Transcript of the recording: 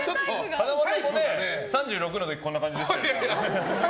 風間さんも３６の時こんな感じでしたよね。